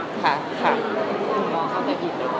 ถ้าถ้าเขาใจผิดแล้ว